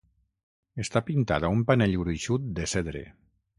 Està pintat a un panell gruixut de cedre.